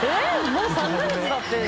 もう３か月たってる。